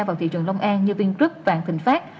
vào thị trường long an như tuyên trúc vạn thịnh pháp